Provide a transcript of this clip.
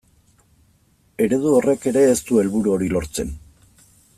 Eredu horrek ere ez du helburu hori lortzen.